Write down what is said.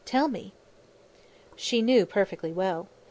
Tell me!" She knew perfectly well.